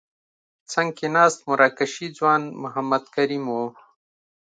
څنګ کې ناست مراکشي ځوان محمد کریم وو.